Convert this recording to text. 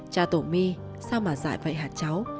cha tổ mi sao mà dại vậy hả cháu